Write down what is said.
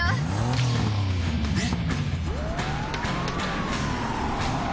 えっ？